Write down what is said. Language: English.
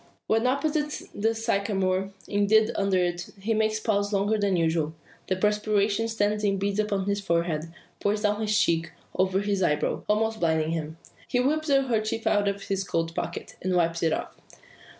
When opposite the sycamore indeed under it he makes pause longer than usual. The perspiration stands in beads upon his forehead, pours down his cheeks, over his eyebrows, almost blinding him. He whips a kerchief out of his coat pocket, and wipes it off.